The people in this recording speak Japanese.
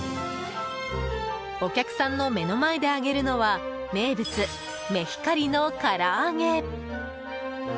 お客さんの目の前で揚げるのは名物、メヒカリの唐揚げ。